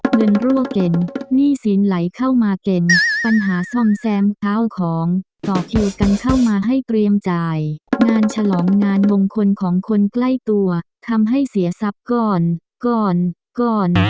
รั่วเก่งหนี้สินไหลเข้ามาเก่งปัญหาซ่อมแซมข้าวของต่อคิวกันเข้ามาให้เตรียมจ่ายงานฉลองงานมงคลของคนใกล้ตัวทำให้เสียทรัพย์ก่อนก่อน